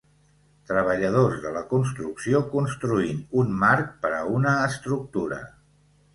Treballadors de la construcció construint un marc per a una estructura.